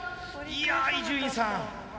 いや伊集院さん。